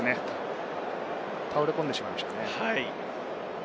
倒れ込んでしまいましたね。